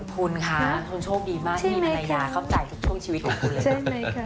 คุณค่ะคุณโชคดีมากนี่นาญาเข้าใจทุกช่วงชีวิตของคุณ